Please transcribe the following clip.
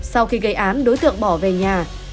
sau khi gây án đối tượng bỏ về nhà